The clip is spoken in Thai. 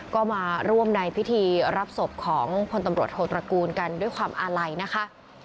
ก็มาร่วมในพิธีรับศพของพลตำรวจโทตระกูลกันด้วยความอาลัยนะคะ